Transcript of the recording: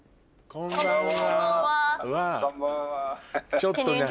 こんばんは！